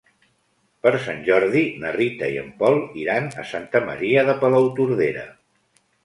Per Sant Jordi na Rita i en Pol iran a Santa Maria de Palautordera.